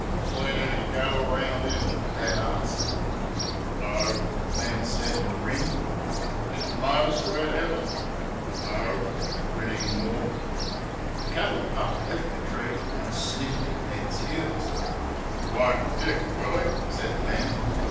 "Seen any cattle round here?" Dad asked. "No," the man said, and grinned. "Did n't notice a red heifer?" "No," grinning more. The kangaroo pup left the tree and sniffed at Ned's heels. "Won't kick, will he?" said the man.